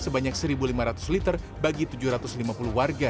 sebanyak satu lima ratus liter bagi tujuh ratus lima puluh warga